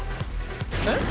えっ？